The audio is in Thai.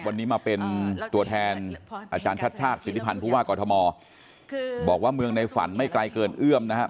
วันนี้มาเป็นตัวแทนอาจารย์ชาติชาติสิทธิพันธ์ผู้ว่ากอทมคือบอกว่าเมืองในฝันไม่ไกลเกินเอื้อมนะครับ